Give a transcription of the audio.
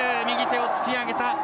右手を突き上げた。